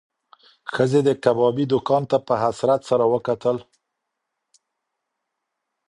ښځې د کبابي دوکان ته په حسرت سره وکتل.